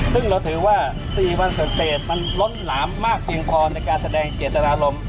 ซึ่งเราถือว่า๔วันเสร็จมันล้นหลามมากเพียงพอในการแสดงเจตนารมณ์